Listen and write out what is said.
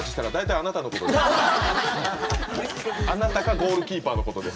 あなたかゴールキーパーのことです。